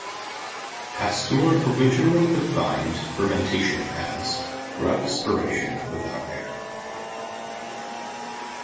Pasteur originally defined fermentation as "respiration without air".